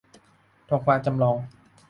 ท้องฟ้าจำลอง